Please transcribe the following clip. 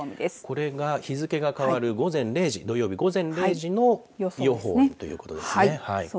これが日付が変わる午前０時の土曜日午前０時の予報ということですね。